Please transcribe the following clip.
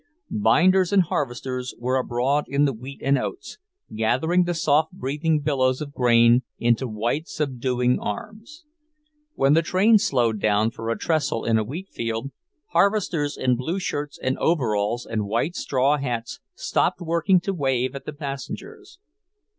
Binders and harvesters were abroad in the wheat and oats, gathering the soft breathing billows of grain into wide, subduing arms. When the train slowed down for a trestle in a wheat field, harvesters in blue shirts and overalls and wide straw hats stopped working to wave at the passengers.